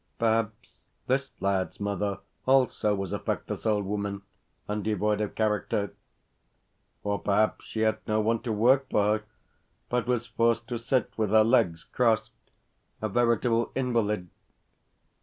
Perhaps this lad's mother also was a feckless old woman, and devoid of character? Or perhaps she had no one to work for her, but was forced to sit with her legs crossed a veritable invalid?